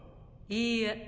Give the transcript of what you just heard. いいえ。